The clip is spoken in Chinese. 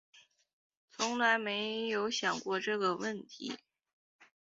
从来没有想过这个问题